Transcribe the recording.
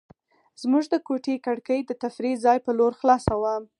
زموږ د کوټې کړکۍ د تفریح ځای په لور خلاصه وه.